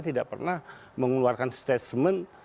tidak pernah mengeluarkan statement